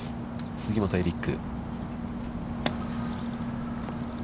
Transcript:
杉本エリック。